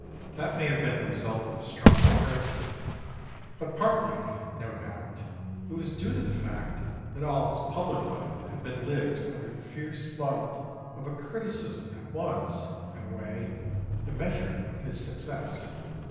That may have been the result of a strong character, but partly, no doubt, it was due to the fact that all his public life had been lived under the fierce light of a criticism that was, in a way, the measure of his success.